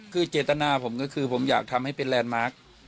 คือเจตนาผมก็คือผมอยากทำให้เป็นแลนด์มาร์ค